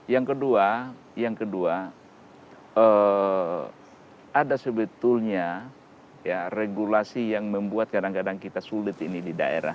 yang kedua yang kedua ada sebetulnya regulasi yang membuat kadang kadang kita sulit ini di daerah